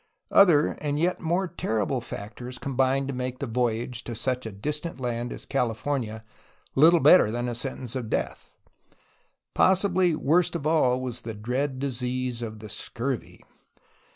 Other and yet more terrible factors combined to make the voyage to such a distant land as California Httle better than a sentence to death. Possibly worst of all was the dread disease of the scurvy.